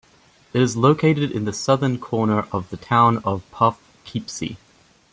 It is located in the southern corner of the Town Of Poughkeepsie.